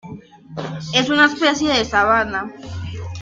Es una especie de sabana.